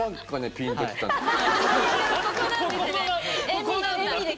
ここなんだ！